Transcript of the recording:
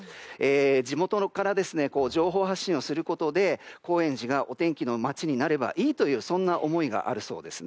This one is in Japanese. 地元から情報発信をすることで高円寺がお天気の街になればいいというそんな思いがあるそうですね。